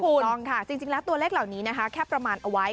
ถูกต้องค่ะจริงแล้วตัวเลขเหล่านี้นะคะแค่ประมาณเอาไว้